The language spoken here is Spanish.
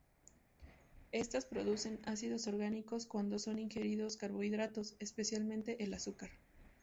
Estas producen ácidos orgánicos cuando son ingeridos carbohidratos, especialmente el azúcar.